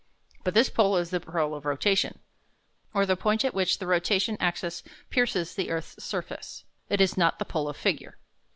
But this pole is the pole of rotation, or the point at which the rotation axis pierces the earth's surface. It is not the pole of figure.